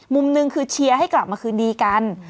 มุมหนึ่งคือเชียร์ให้กลับมาคืนดีกัน